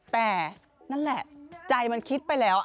แต่นั่นแหละใจมันคิดไปแล้ว